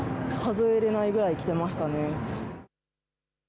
数えられないぐらい来ていました。